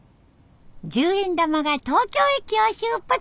十円玉が東京駅を出発！